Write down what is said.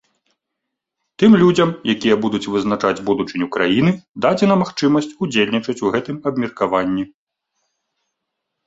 Тым людзям, якія будуць вызначаць будучыню краіны, дадзена магчымасць удзельнічаць у гэтым абмеркаванні.